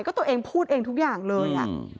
ก็ตัวเองพูดเองทุกอย่างเลย